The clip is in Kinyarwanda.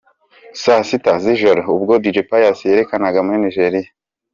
Saa sita z'ijoro ubwo Dj Pius yerekezaga muri Nigeria.